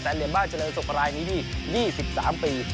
แสนเหลี่ยมบ้าเจริญสุทธิ์ภรรายนี้มี๒๓ปี